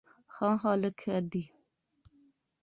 ہاں خالق خیر دی